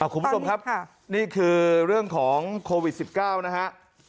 คุณผู้ชมครับนี่คือเรื่องของโควิด๑๙นะฮะ